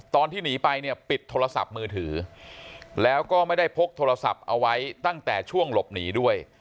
ตอนที่หนีไปเนี่ยปิดโทรศัพท์มือถือแล้วก็ไม่ได้พกโทรศัพท์เอาไว้ตั้งแต่ช่วงหลบหนีด้วย